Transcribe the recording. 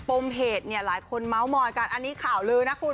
ปมเหตุเนี่ยหลายคนเมาส์มอยกันอันนี้ข่าวลือนะคุณ